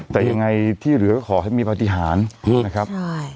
แต่ยังไงที่เหลือก็ขอให้มีปฏิหารนะครับ